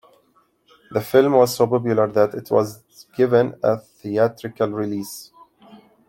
The film was so popular that it was given a theatrical release.